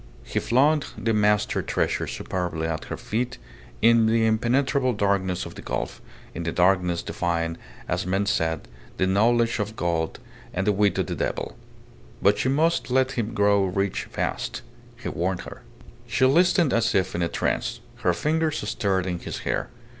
He flung the mastered treasure superbly at her feet in the impenetrable darkness of the gulf, in the darkness defying as men said the knowledge of God and the wit of the devil. But she must let him grow rich first he warned her. She listened as if in a trance. Her fingers stirred in his hair.